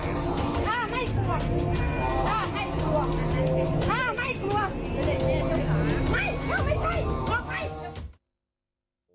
ข้าไม่กลัว